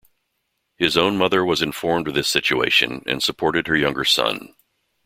His own mother was informed of this situation and supported her younger son.